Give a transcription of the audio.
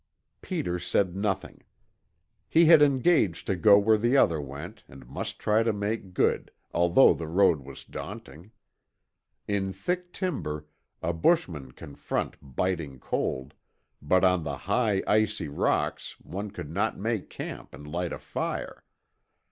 Peter said nothing. He had engaged to go where the other went and must try to make good, although the road was daunting. In thick timber, a bushman can front biting cold; but on the high, icy rocks one could not make camp and light a fire.